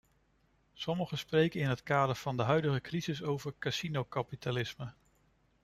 Sommigen spreken in het kader van de huidige crisis over casinokapitalisme.